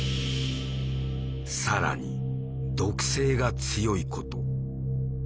更に毒性が強いこと。